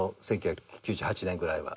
１９９８年ぐらいは。